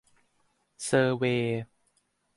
เซอร์เวย์